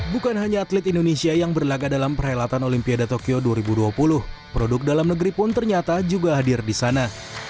bukan hanya atlet indonesia yang berlaga dalam perhelatan olimpiade tokyo dua ribu dua puluh produk dalam negeri pun ternyata juga hadir di sana